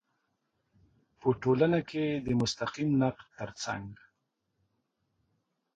په ټولنه کې د مستقیم نقد تر څنګ